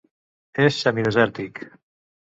És semidesèrtic.